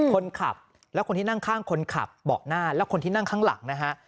คนขับและคนที่นั่งข้างคนขับเบาะหน้าและคนที่นั่งข้างหลังนะฮะ